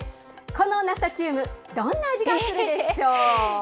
このナスタチウム、どんな味がするでしょう？